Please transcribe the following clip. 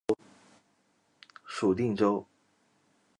属定州。